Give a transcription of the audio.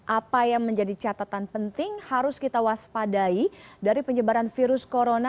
apa yang menjadi catatan penting harus kita waspadai dari penyebaran virus corona